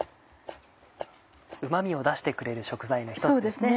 うま味を出してくれる食材の一つですね。